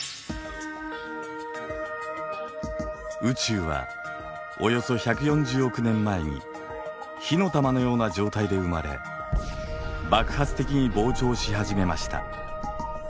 宇宙はおよそ１４０億年前に火の玉のような状態で生まれ爆発的に膨張し始めました。